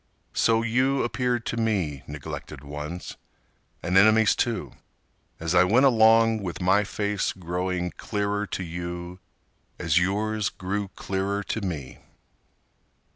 So you appeared to me, neglected ones, And enemies too, as I went along With my face growing clearer to you as yours Grew clearer to me.